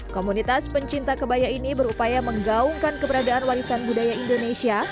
komunitas pencinta kebaya ini berupaya menggaungkan keberadaan warisan budaya indonesia